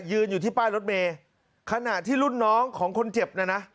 ยืนอยู่ที่ป้ายรถเมย์ขณะที่รุ่นน้องของคนเจ็บน่ะนะ